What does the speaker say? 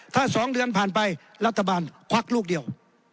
ถ้า๒เดือนผ่านไปรัฐบาลควักลูกเดียว